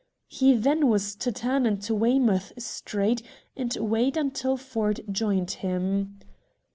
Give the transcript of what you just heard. He then was to turn into Weymouth Street and wait until Ford joined him.